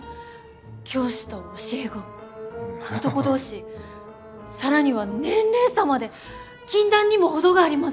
教師と教え子男同士更には年齢差まで禁断にも程があります！